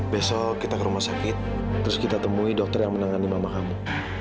besok kita ke rumah sakit terus kita temui dokter yang menangani mama kamu